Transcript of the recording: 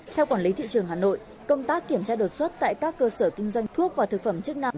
theo quản lý thị trường hà nội công tác kiểm tra đột xuất tại các cơ sở kinh doanh thuốc và thực phẩm chức năng